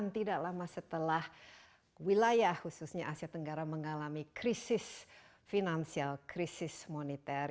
tidak lama setelah wilayah khususnya asia tenggara mengalami krisis finansial krisis moneter